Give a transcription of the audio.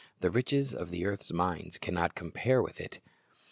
The riches of earth's mines can not compare with it.